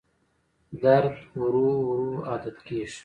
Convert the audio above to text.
درد ورو ورو عادت کېږي.